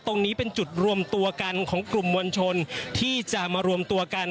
ตรงนี้เป็นจุดรวมตัวกันของกลุ่มมวลชนที่จะมารวมตัวกัน